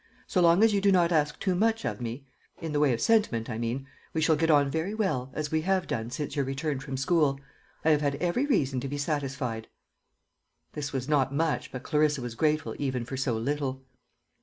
So long as you do not ask too much of me in the way of sentiment, I mean we shall get on very well, as we have done since your return from school. I have had every reason to be satisfied." This was not much, but Clarissa was grateful even for so little.